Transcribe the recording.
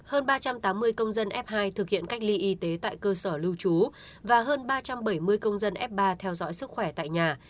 hơn ba trăm tám mươi công dân f hai thực hiện cách ly y tế tại cơ sở lưu trú và hơn ba trăm bảy mươi công dân f ba theo dõi sức khỏe tại nhà